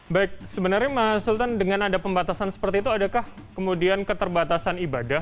baik sebenarnya mas sultan dengan ada pembatasan seperti itu adakah kemudian keterbatasan ibadah